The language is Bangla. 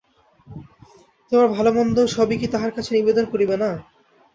তোমার ভালোমন্দ সবই কি তাঁহার কাছে নিবেদন করিবে না?